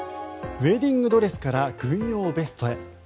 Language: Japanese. ウェディングドレスから軍用ベストへ。